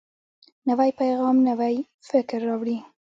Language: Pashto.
نوی پیغام نوی فکر راوړي